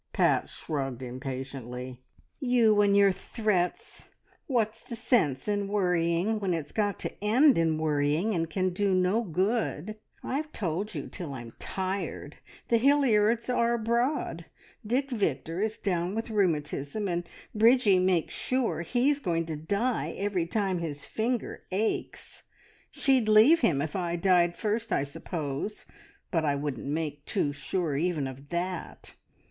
Pat shrugged impatiently. "You and your threats! What's the sense in worrying when it's got to end in worrying, and can do no good? I've told you till I'm tired the Hilliards are abroad, Dick Victor is down with rheumatism, and Bridgie makes sure he's going to die every time his finger aches. She'd leave him if I died first, I suppose, but I wouldn't make too sure even of that.